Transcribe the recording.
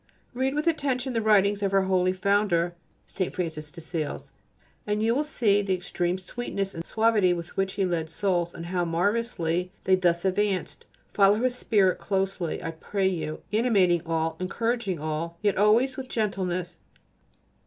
Read with attention the writings of our holy Founder (St. Francis de Sales), and you will there see the extreme sweetness and suavity with which he led souls, and how marvellously they thus advanced. Follow his spirit closely, I pray you, animating all, encouraging all, yet always with gentleness.